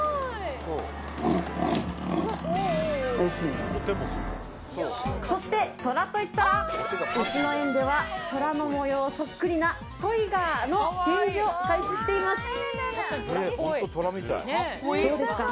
おいしいねそしてトラといったらうちの園ではトラの模様そっくりなトイガーの展示を開始していますどうですか？